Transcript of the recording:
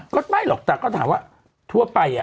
ก็ไม่หรอกแต่ก็ถามว่าทั่วไป